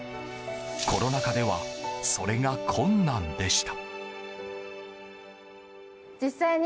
コロナ禍ではそれが困難でした。